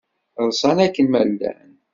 Ḍsan akken ma llan.